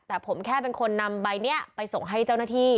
แต่ผมแค่เป็นคนนำใบนี้ไปส่งให้เจ้าหน้าที่